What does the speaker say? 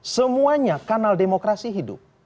semuanya kanal demokrasi hidup